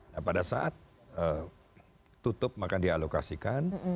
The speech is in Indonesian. nah pada saat tutup maka dialokasikan